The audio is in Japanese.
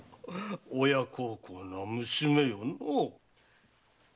親孝行の娘よのう。